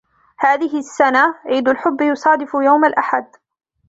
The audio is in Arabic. هذه السنة, عيد الحب يصادف يوم الاحد.